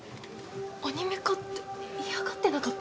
アニメ化って嫌がってなかった？